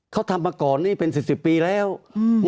เขาทำมาก่อนนี่เป็นสิบสิบปีแล้วอืม